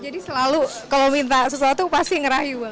iya jadi selalu kalau minta sesuatu pasti ngerayu